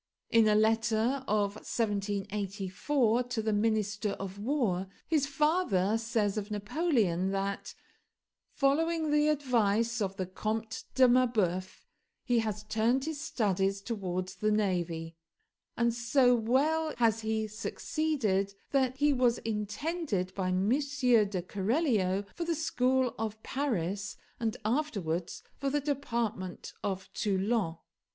In a letter of 1784 to the Minister of War his father says of Napoleon that, "following the advice of the Comte de Marbeuf, he has turned his studies towards the navy; and so well has he succeeded that he was intended by M. de Keralio for the school of Paris, and afterwards for the department of Toulon.